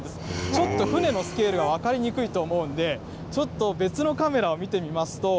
ちょっと船のスケールが分かりにくいと思うので、ちょっと別のカメラを見てみますと。